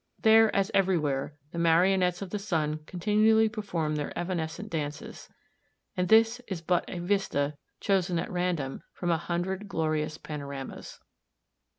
There, as everywhere, the marionettes of the sun continually perform their evanescent dances. And this is but a vista chosen at random from a hundred glorious panoramas.